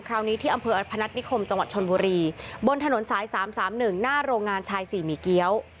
คราวนี้ที่อำเภอพนัฐนิคมจังหวัดชนบุรีบนถนนสาย๓๓๑หน้าโรงงานชายสี่หมี่เกี้ยว